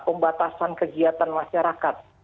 pembatasan kegiatan masyarakat